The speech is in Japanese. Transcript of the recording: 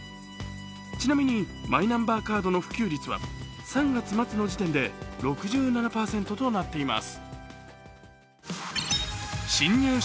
ちなみにマイナンバーカードの普及率は３月末の時点で６７％となっています